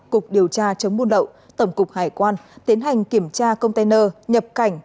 cục điều tra chống buôn lậu tổng cục hải quan tiến hành kiểm tra container nhập cảnh